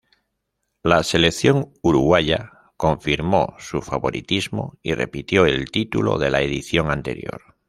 La selección uruguaya confirmó su favoritismo y repitió el título de la edición anterior.